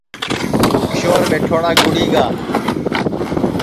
کیشور ٻیٹھوڑا گُڑی گا